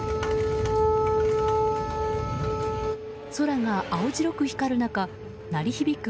空が青白く光る中鳴り響く